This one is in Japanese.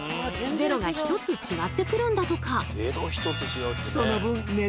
ゼロが１つ違ってくるんだとか。